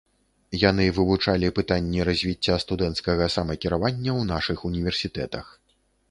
Яны вывучалі пытанні развіцця студэнцкага самакіравання ў нашых універсітэтах.